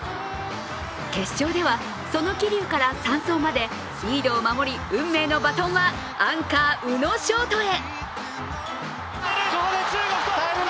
決勝ではその桐生から３走までリードを守り、運命のバトンはアンカー・宇野勝翔へ。